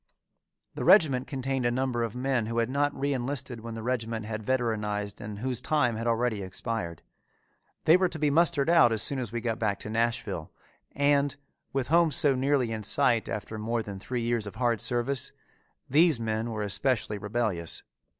The regiment contained a number of men who had not reënlisted when the regiment had veteranized and whose time had already expired. They were to be mustered out as soon as we got back to Nashville and, with home so nearly in sight after more than three years of hard service, these men were especially rebellious.